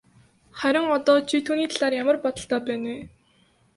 Харин одоо чи түүний талаар ямар бодолтой байна вэ?